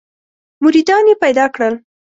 مریدان یې پیدا کړل.